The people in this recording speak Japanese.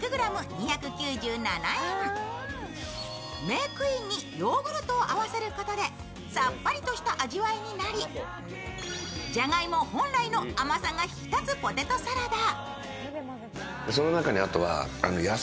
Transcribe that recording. メークインにヨーグルトを合わせることで、さっぱりとした味わいになり、じゃがいも本来の甘さが引き立つポテトサラダ。